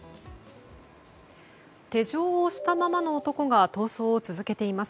手錠をしたままの男が逃走を続けています。